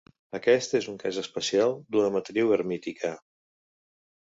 Aquest és un cas especial d'una matriu hermítica.